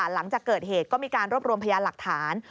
หลังจากเกิดเหตุก็มีการรวบรวมพยานหลักฐาน